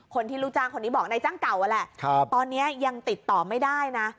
คนที่ลูกจ้างคนนี้บอกนายจ้างเก่านั่นแหละตอนนี้ยังติดต่อไม่ได้นะ